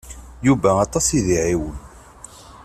Yuba aṭas i d-iɛiwen.